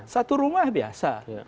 satu rumah biasa